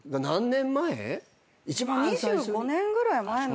２５年ぐらい前。